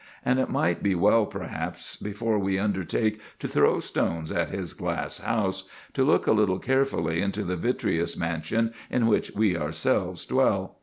But it might be well perhaps, before we undertake to throw stones at his glass house, to look a little carefully into the vitreous mansion in which we ourselves dwell.